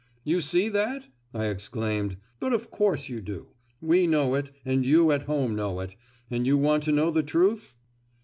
"You see that?" I exclaimed. "But of course you do. We know it, and you at home know it. And you want to know the truth?"